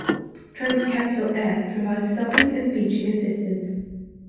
Trans-Capital Air provides docking and beaching assistance.